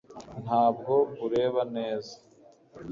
ntabwo ureba neza